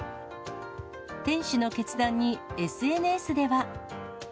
店主の決断に、ＳＮＳでは。